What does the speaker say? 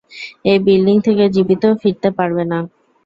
এই বিল্ডিং থেকে জীবিত ফিরতে পারবে না।